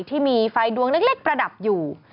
ที่มีไฟดวงเล็กประดับอยู่